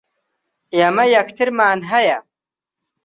ئێمە یەکترمان ھەیە.